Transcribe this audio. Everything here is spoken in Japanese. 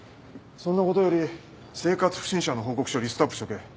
そんなことより生活不審者の報告書をリストアップしとけ。